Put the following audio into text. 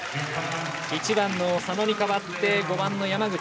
１番の佐野に代わって５番の山口。